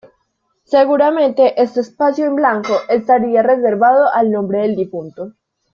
Seguramente este espacio en blanco estaría reservado al nombre del difunto.